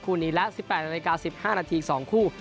คู่นี้และ๑๘นาที๑๕นาที๒คู่